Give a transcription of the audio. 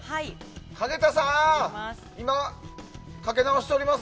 かげたさん、今かけ直しております